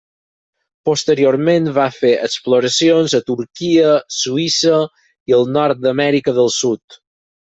Posteriorment va fer exploracions a Turquia, Suïssa i el nord d'Amèrica del Sud.